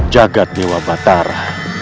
jagad dewa batara